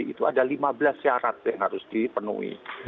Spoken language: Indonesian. itu ada lima belas syarat yang harus dipenuhi